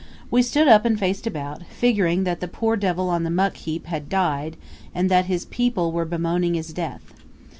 We stood up and faced about, figuring that the poor devil on the muck heap had died and that his people were bemoaning his death.